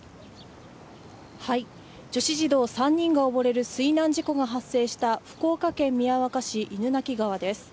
女子児童３人が溺れる水難事故が発生した福岡県宮若市犬鳴川です。